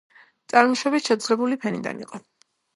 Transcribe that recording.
წარმოშობით შეძლებული ფენიდან იყო.